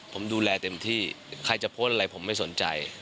ผมดูแลเต็มที่ใครจะโพสต์อะไรผมไม่สนใจ